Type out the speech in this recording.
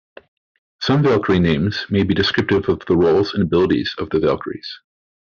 Some valkyrie names may be descriptive of the roles and abilities of the valkyries.